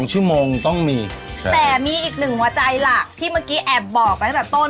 ชั่วโมงต้องมีใช่แต่มีอีกหนึ่งหัวใจหลักที่เมื่อกี้แอบบอกไปตั้งแต่ต้น